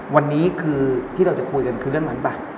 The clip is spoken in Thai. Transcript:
วันนี้คือที่เราจะคุยกันคือเรื่องนั้นป่ะ